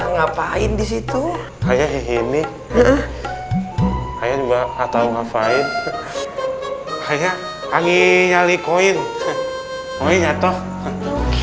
ngapain di situ kayak gini kayak juga atau ngapain hanya angin nyali koin koin atau